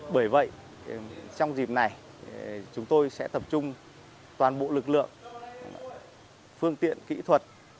bởi vậy trong dịp này chúng tôi sẽ tập trung toàn bộ lực lượng phương tiện kỹ thuật